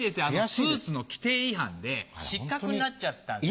スーツの規定違反で失格になっちゃったんですよ。